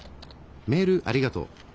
メールありがとう。